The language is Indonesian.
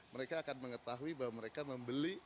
mereka akan mengetahui bahwa mereka membeli